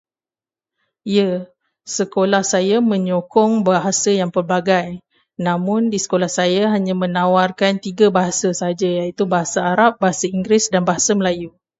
Ya, sekolah saya menyokong bahasa yang pelbagai. Namun, di sekolah saya hanya menawarkan tiga bahasa sahaja, iaitu bahasa Arab, bahasa Inggeris dan bahasa Melayu.